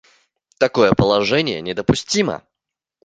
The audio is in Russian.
Такое положение недопустимо.